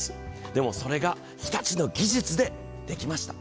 でも、それが日立の技術でできました。